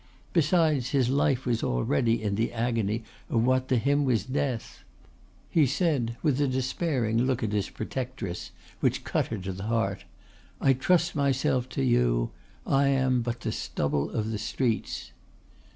Besides, his life was already in the agony of what to him was death. He said, with a despairing look at his protectress which cut her to the heart, "I trust myself to you I am but the stubble of the streets."